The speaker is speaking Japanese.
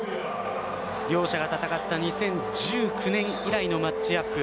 両者が戦った２０１９年以来のマッチアップ。